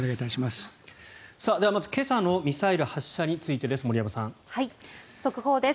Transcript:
ではまず今朝のミサイル発射についてです。森山さん。速報です。